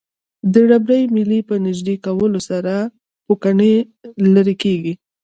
د ربړي میلې په نژدې کولو سره پوکڼۍ لرې کیږي.